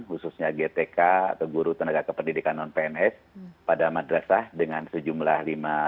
khususnya gtk atau guru tenaga kependidikan non pns pada madrasah dengan sejumlah lima ratus empat puluh tiga sembilan ratus dua puluh delapan